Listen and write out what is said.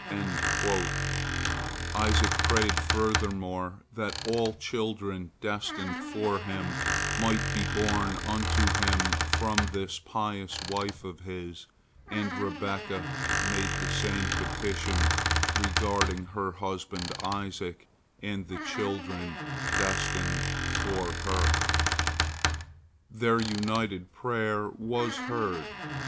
" Isaac prayed furthermore that all children destined for him might be born unto him from this pious wife of his, and Rebekah made the same petition regarding her husband Isaac and the children destined for her. Their united prayer was heard.